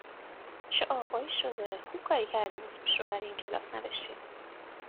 چه آقایی شده خوب کاری کردین اسمش رو برای این کلاس نوشتین